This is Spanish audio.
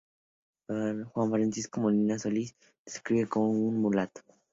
Juan Francisco Molina Solís lo describe como un mulato.